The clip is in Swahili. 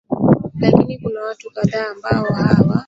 lakini kuna watu kadhaa ambao hawa